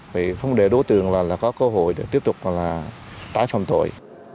vì không để đối tượng là có cơ hội để tiếp tục là tái phạm tội